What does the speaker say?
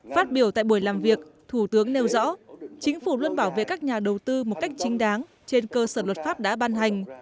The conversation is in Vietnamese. phát biểu tại buổi làm việc thủ tướng nêu rõ chính phủ luôn bảo vệ các nhà đầu tư một cách chính đáng trên cơ sở luật pháp đã ban hành